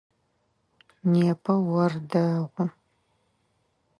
Непэ ор дэгъу.